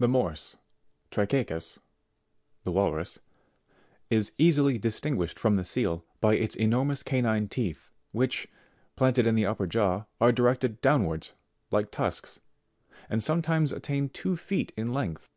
82. The MORSE, Trichechns, (the Walrus) is easily distin guished from the Seal by its enormous canine teeth which, planted in the upper jaw, are directed downwards like tusks, and sometimes attain two feet in length.